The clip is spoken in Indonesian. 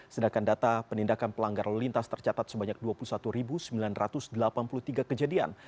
sedangkan data penindakan pelanggar lalu lintas tercatat sebanyak dua puluh satu sembilan ratus delapan puluh tiga kejadian